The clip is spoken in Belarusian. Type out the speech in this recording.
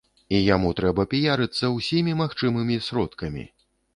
І яму трэба піярыцца ўсімі магчымымі сродкамі.